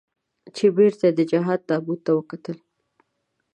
چې بېرته یې د جهاد تابوت ته وکتل.